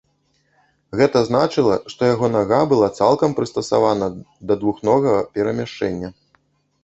Гэта значыла, што яго нага была цалкам прыстасавана да двухногага перамяшчэння.